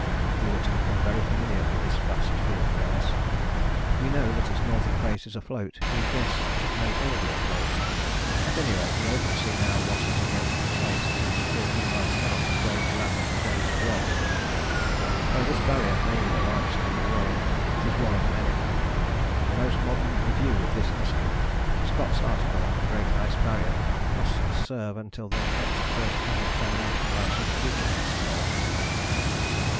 We were to become very familiar with this vast field of ice. We know that its northern face is afloat, we guess that it may all be afloat. At any rate the open sea now washes against its face at least forty miles south of where it ran in the days of Ross. Though this Barrier may be the largest in the world, it is one of many. The most modern review of this mystery, Scott's article on The Great Ice Barrier, must serve until the next first hand examination by some future explorer.